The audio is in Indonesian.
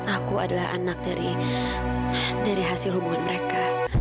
aku adalah anak dari hasil hubungan mereka